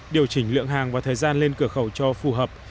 điều chỉnh lượng hàng và thời gian lên cửa khẩu cho phù hợp